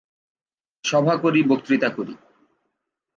সভা করি বক্তৃতা করি।